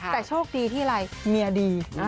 แต่โชคดีที่อะไรเมียดี